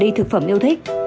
đi thực phẩm yêu thích